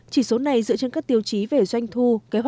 chỉ số này dựa trên các tiêu chí về doanh thu